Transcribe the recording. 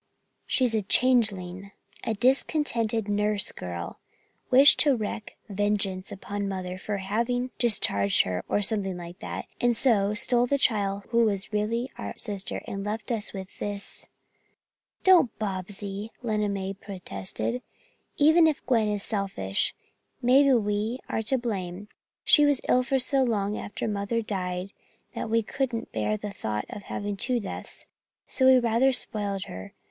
"She's a changeling! A discontented nurse girl wished to wreak vengeance upon Mother for having discharged her, or something like that, and so she stole the child who really was our sister and left this " "Don't, Bobsie!" Lena May protested. "Even if Gwen is selfish, maybe we are to blame. She was ill for so long after Mother died that we couldn't bear the thought of having two deaths, and so we rather spoiled her.